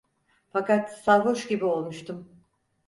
Fakat sarhoş gibi olmuştum.